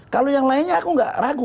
kalau yang lainnya aku gak ragu ya